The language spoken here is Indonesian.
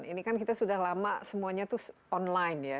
ini kan kita sudah lama semuanya itu online ya